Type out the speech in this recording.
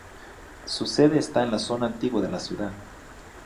Su sede está en la zona antigua de la ciudad.